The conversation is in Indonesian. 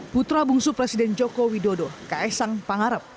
putra bungsu presiden joko widodo kaisang pangarep